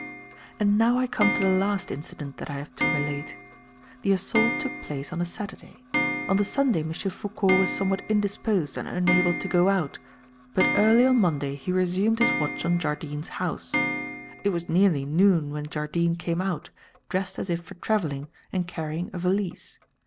"And now I come to the last incident that I have to relate. The assault took place on a Saturday; on the Sunday M. Foucault was somewhat indisposed and unable to go out, but early on Monday he resumed his watch on Jardine's house. It was nearly noon when Jardine came out, dressed as if for travelling and carrying a valise.